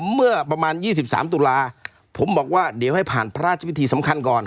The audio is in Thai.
เมื่อประมาณ๒๓ตุลาผมบอกว่าเดี๋ยวให้ผ่านพระราชพิธีสำคัญก่อน